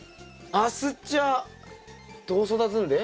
ナスっちゃどう育つんで？